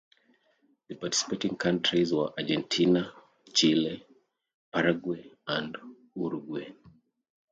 The participating countries were Argentina, Chile, Paraguay and Uruguay.